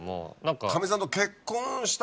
かみさんと。